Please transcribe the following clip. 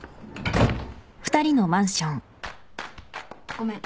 ごめん。